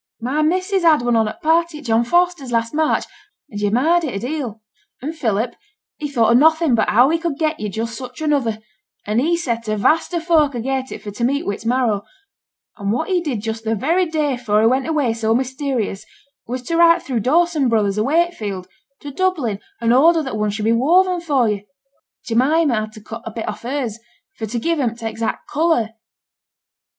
'My missus had one on at th' party at John Foster's last March, and yo' admired it a deal. And Philip, he thought o' nothing but how he could get yo' just such another, and he set a vast o' folk agait for to meet wi' its marrow; and what he did just the very day afore he went away so mysterious was to write through Dawson Brothers, o' Wakefield, to Dublin, and order that one should be woven for yo'. Jemima had to cut a bit off hers for to give him t' exact colour.'